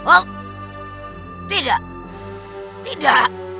oh tidak tidak